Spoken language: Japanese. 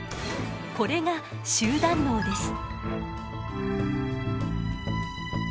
これが集団脳です。